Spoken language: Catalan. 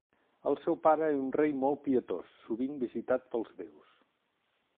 El seu pare era un rei molt pietós, sovint visitat pels déus.